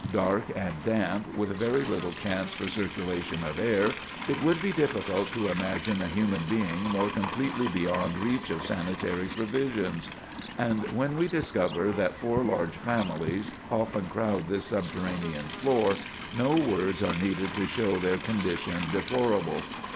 Dark and damp, with very little chance for circulation of air, it would be difficult to imagine a human being more completely beyond reach of sanitary provisions. And when we consider that four large families often crowd this subterranean floor, no words are needed to show their condition deplorable.